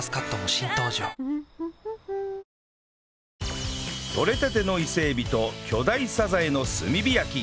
ニトリとれたての伊勢エビと巨大サザエの炭火焼き